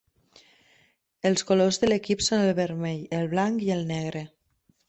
Els colors de l'equip són el vermell, el blanc i el negre.